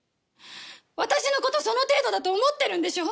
私の事その程度だと思ってるんでしょ？